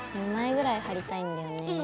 ２枚ぐらい貼りたいんだよね。